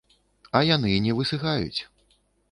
А яны не высыхаюць.